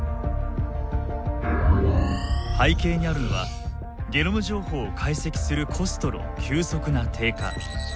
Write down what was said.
背景にあるのはゲノム情報を解析するコストの急速な低下。